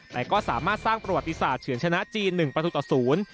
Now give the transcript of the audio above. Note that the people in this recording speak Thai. แต่ก็สามารถสร้างประวัติศาสตร์เฉินชนะจีน๑ประตูต่อศูนย์